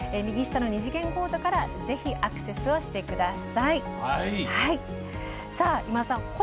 二次元コードからぜひ、アクセスをしてください。